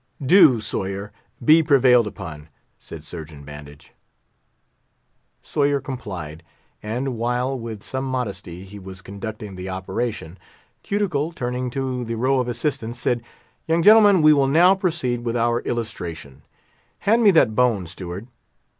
"Do, Sawyer; be prevailed upon," said Surgeon Bandage. Sawyer complied; and while, with some modesty he was conducting the operation, Cuticle, turning to the row of assistants said, "Young gentlemen, we will now proceed with our Illustration. Hand me that bone, Steward."